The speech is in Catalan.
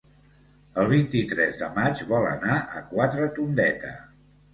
El vint-i-tres de maig vol anar a Quatretondeta.